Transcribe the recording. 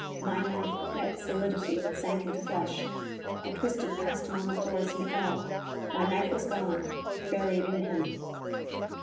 My knife met solidity; sank into flesh. I twisted past him on the floor as he fell. My knife was gone: buried in him.